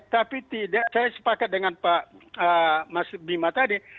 tapi tidak saya sepakat dengan pak mas bima tadi